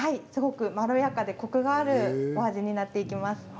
まろやかでコクのあるお味になっていきます。